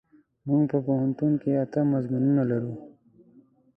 مونږ په پوهنتون کې اته مضمونونه لرو.